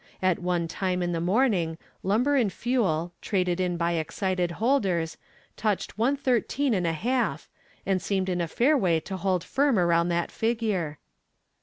At one time in the morning Lumber and Fuel, traded in by excited holders, touched 113 1/2 and seemed in a fair way to hold firm around that figure.